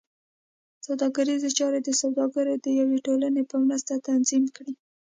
سوداګریزې چارې د سوداګرو د یوې ټولنې په مرسته تنظیم کړې.